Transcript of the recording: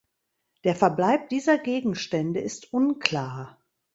Der Verbleib dieser Gegenstände ist unklar.